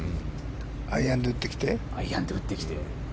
アイアンで打ってきて。